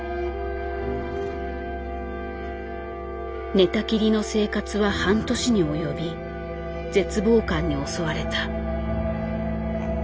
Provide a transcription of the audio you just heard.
寝たきりの生活は半年におよび絶望感に襲われた。